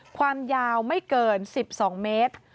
ความยาวไม่เกิน๑๒เมตร